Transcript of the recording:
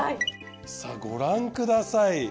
さぁご覧ください。